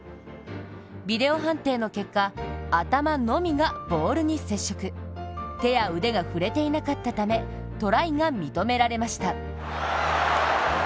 ビデオ判定の結果、頭のみがボールに接触手や腕が触れていなかったためトライが認められました。